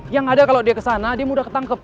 yang ada kalo dia kesana dia mudah ketangkep